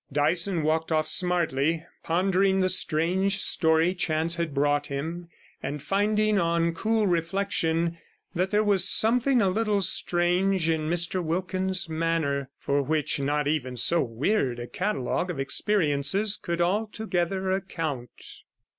Dyson walked off smartly, pondering the strange story chance had brought him, and finding on cool reflection that there was something a little strange in Mr Wilkins's manner, for which not even so weird a catalogue of experiences could altogether account.